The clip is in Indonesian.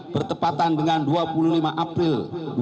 bertepatan dengan dua puluh lima april dua ribu delapan